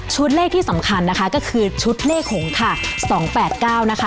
เลขที่สำคัญนะคะก็คือชุดเลขหงค่ะ๒๘๙นะคะ